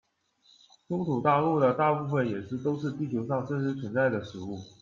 中土大陆的大部分饮食都是地球上真实存在的食物。